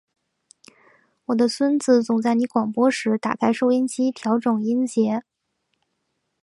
我的孙子总在你广播时打开收音机调整音节。